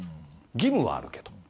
義務はあるけど。